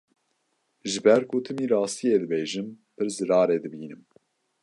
Ji ber ku timî rastiyê dibêjim pir zirarê dibînim.